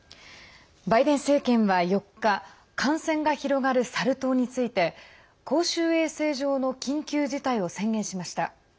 バイデン政権は４日感染が広がるサル痘について公衆衛生上の緊急事態を宣言しました。